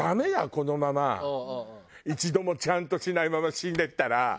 このまま一度もちゃんとしないまま死んでったら。